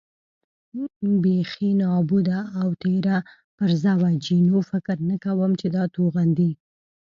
بېخي نابوده او تېره پرزه وه، جینو: فکر نه کوم چې دا توغندي.